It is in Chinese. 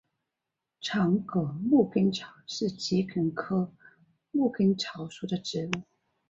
长果牧根草是桔梗科牧根草属的植物。